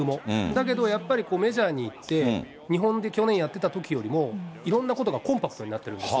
だけどやっぱり、メジャーに行って、日本で去年やってたときよりも、いろんなことがコンパクトになってるんです。